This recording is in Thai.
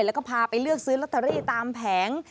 แล้วก็พาไปเลือกซื้อลอตเตอรี่ตามแผง